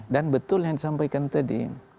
dan betul yang disampaikan tadi